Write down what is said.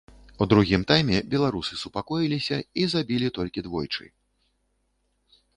У другім тайме беларусы супакоіліся і забілі толькі двойчы.